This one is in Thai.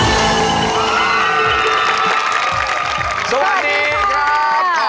สวัสดีครับ